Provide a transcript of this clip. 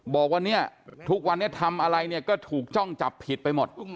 บอกว่าเนี่ยทุกวันนี้ทำอะไรเนี่ยก็ถูกจ้องจับผิดไปหมด